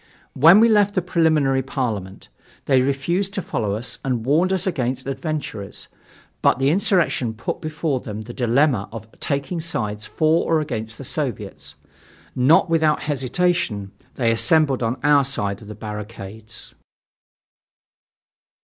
When we left the Preliminary Parliament, they refused to follow us and warned us against "adventurers," but the insurrection put before them the dilemma of taking sides for or against the Soviets. Not without hesitation, they assembled on our side of the barricades.